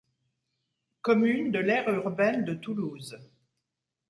Commune de l'aire urbaine de Toulouse.